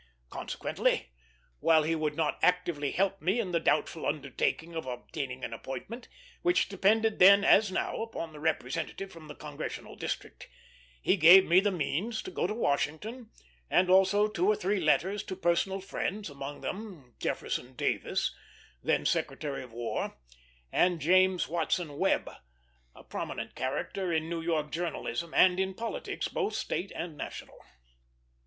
Consequently, while he would not actively help me in the doubtful undertaking of obtaining an appointment, which depended then as now upon the representative from the congressional district, he gave me the means to go to Washington, and also two or three letters to personal friends; among them Jefferson Davis, then Secretary of War, and James Watson Webb, a prominent character in New York journalism and in politics, both state and national.